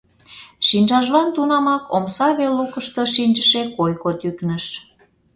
Шинчажлан тунамак омса вел лукышто шинчыше койко тӱкныш.